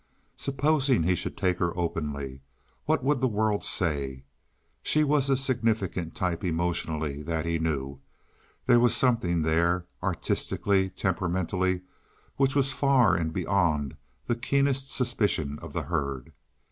Supposing he should take her openly, what would the world say? She was a significant type emotionally, that he knew. There was something there—artistically, temperamentally, which was far and beyond the keenest suspicion of the herd.